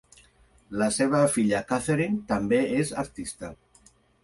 La seva filla Catherine també és artista.